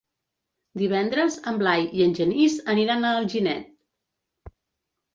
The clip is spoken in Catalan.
Divendres en Blai i en Genís aniran a Alginet.